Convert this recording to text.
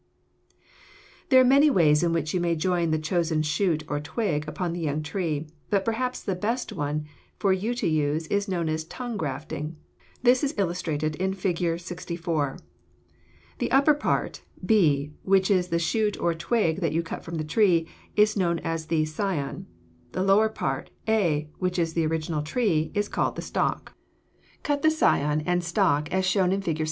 [Illustration: FIG. 64. TONGUE GRAFTING] There are many ways in which you may join the chosen shoot or twig upon the young tree, but perhaps the best one for you to use is known as tongue grafting. This is illustrated in Fig. 64. The upper part, b, which is the shoot or twig that you cut from the tree, is known as the scion; the lower part, a, which is the original tree, is called the stock. Cut the scion and stock as shown in Fig.